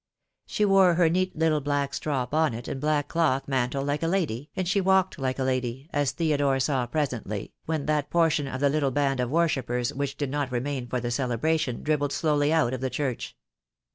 She wore her neat little black straw bonnet and black cloth mantle like a lady, and she walked like a lady, as Theodore saw presently, when that portion of the little band of worshippers which did not remain for the celebration dribbled slowly out of church.